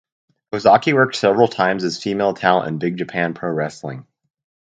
Ozaki worked several times as female talent in Big Japan Pro Wrestling.